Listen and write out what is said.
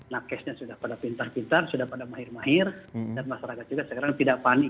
nakesnya sudah pada pintar pintar sudah pada mahir mahir dan masyarakat juga sekarang tidak panik